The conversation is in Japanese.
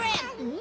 ん？